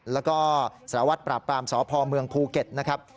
แล้วก็สารวัตรปราบปรามสพเมืองภูเก็ตนะครับ